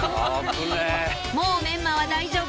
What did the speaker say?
もうメンマは大丈夫